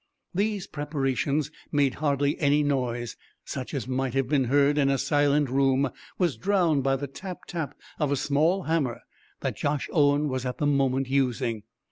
These preparations made hardly any noise; such as might have been heard in a silent room was drowned by the tap tap of a small hammer that Josh Owen was at the moment using.